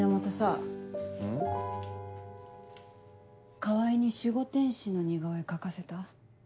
川合に守護天使の似顔絵描かせた？